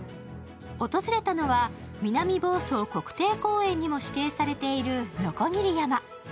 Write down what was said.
訪れたのは、南房総国定公園にも指定されている鋸山。